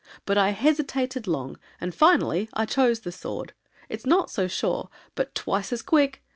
But I hesitated long, and finally I chose the sword. It's not so sure, but twice As quick.